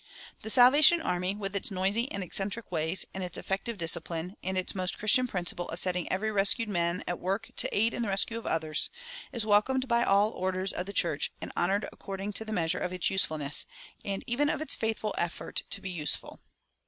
The Salvation Army, with its noisy and eccentric ways, and its effective discipline, and its most Christian principle of setting every rescued man at work to aid in the rescue of others, is welcomed by all orders of the church, and honored according to the measure of its usefulness, and even of its faithful effort to be useful.